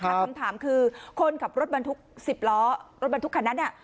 คำถามคือคนขับรถบรรทุก๑๐ล้อรถบรรทุกคันนั้น